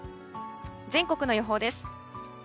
全国の予報です。